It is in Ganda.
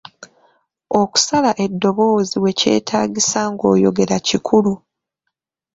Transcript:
Okusala eddoboozi wekyetaagisa ng'oyogera kikulu.